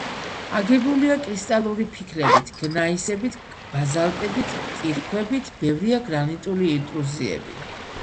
აგებულია კრისტალური ფიქლებით, გნაისებით, ბაზალტებით, კირქვებით; ბევრია გრანიტული ინტრუზიები.